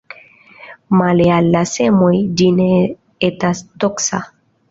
Male al la semoj ĝi ne etas toksa.